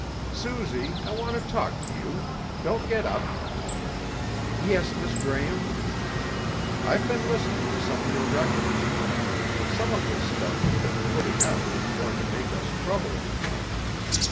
"Suzy, I want to talk to you. Don't get up." "Yes, Miss Graham?" "I've been listening to some of your records. Some of this stuff you've been putting out is going to make us trouble, you know."